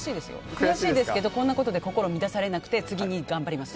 悔しいですけどこんなことで心乱されなくて次に頑張ります。